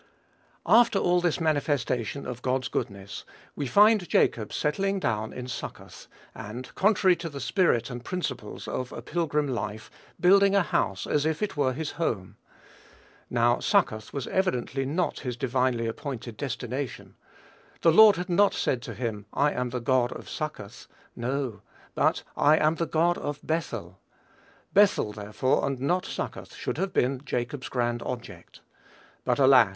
After all this manifestation of God's goodness, we find Jacob settling down in Succoth, and, contrary to the spirit and principles of a pilgrim life, building a house as if it were his home. Now, Succoth was evidently not his divinely appointed destination. The Lord had not said to him, "I am the God of Succoth;" no; but "I am the God of Bethel." Bethel, therefore, and not Succoth, should have been Jacob's grand object. But alas!